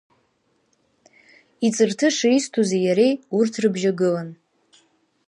Аҵырҭыша изҭози иареи урҭ рыбжьагылан.